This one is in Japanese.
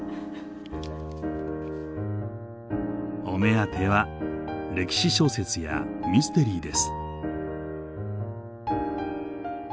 お目当ては歴史小説やミステリーです。